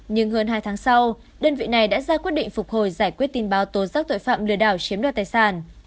nhưng hơn hai tháng sau đơn vị này đã ra quyết định phục hồi giải quyết tin báo tố giác tội phạm lừa đảo chiếm đoạt tài sản